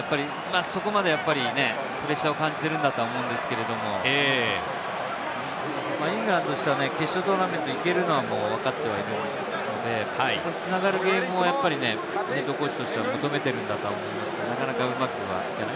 そこまでプレッシャーを感じているんだと思うんですけれど、イングランドとしては決勝トーナメントに行けるのはわかってはいるので、そこに繋がるゲームをＨＣとしては求めているんだと思うんですが、なかなかうまくいかない。